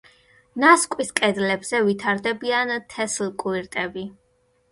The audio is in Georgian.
ნასკვის კედლებზე ვითარდებიან თესლკვირტები.